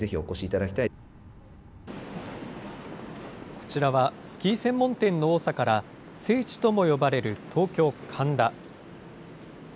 こちらは、スキー専門店の多さから聖地とも呼ばれる東京・神田。